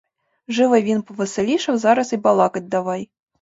Живо й він повеселішав, зараз і балакать давай.